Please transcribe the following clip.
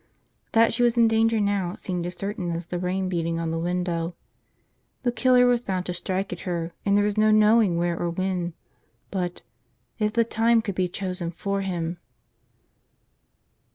That she was in danger now seemed as certain as the rain beating on the window. The killer was bound to strike at her, and there was no knowing where or when. But if the time could be chosen for him.